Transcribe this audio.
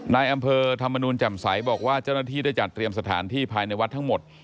นายอำเภอธรรมนูลแจ่มใสบอกว่าเจ้าหน้าที่ได้จัดเตรียมสถานที่ภายในวัดทั้งหมด